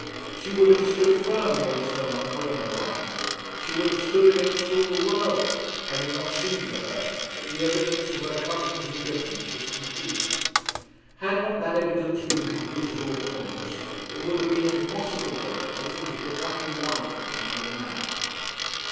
She would have stood firm against her uncle and her aunt, she would have stood against all the world, had it not seemed to her that the evidence of her cousin's indifference was complete. Had not that evidence been complete at all points, it would have been impossible to her to think of becoming the wife of another man.